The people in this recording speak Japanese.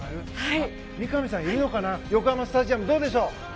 三上さんいるのかな横浜スタジアム、どうでしょう。